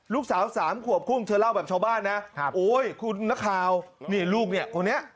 ลูกสาว๓ขวบคุ้มเธอเล่าแบบชาวบ้านนะคุณกุญและคาวนี่ลูกนี่คนนี้